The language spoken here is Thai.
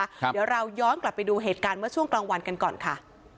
เดี๋ยวเราย้อนกลับไปดูเหตุการณ์เมื่อช่วงกลางวันกันก่อนค่ะ